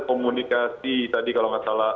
komunikasi tadi kalau nggak salah